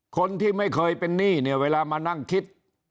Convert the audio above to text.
คนที่ไม่เคยเป็นหนี้เนี่ยเวลามานั่งคิด